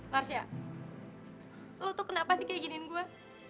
marsha lo tuh kenapa sih kayak giniin gue